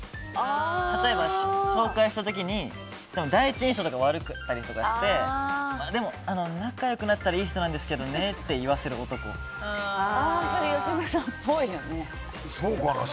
例えば紹介した時に第一印象が悪かったりして仲良くなったらいい人なんですけどねってそれ、吉村さんっぽいよね。